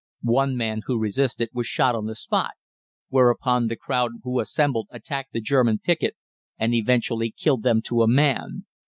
One man who resisted was shot on the spot, whereupon the crowd who assembled attacked the German picket, and eventually killed them to a man.